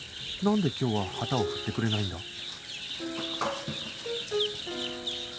なんで今日は旗を振ってくれないんだ？